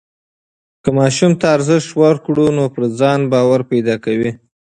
که ماشوم ته ارزښت ورکړو نو پر ځان باور پیدا کوي.